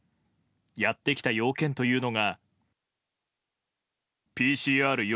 やってきた要件というのが。